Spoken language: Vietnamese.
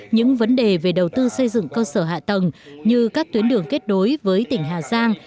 những vấn đề về đầu tư xây dựng cơ sở hạ tầng như các tuyến đường kết nối với tỉnh hà giang